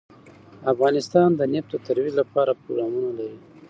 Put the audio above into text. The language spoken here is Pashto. افغانستان د نفت د ترویج لپاره پروګرامونه لري.